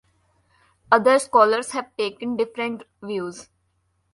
Other scholars have taken different views.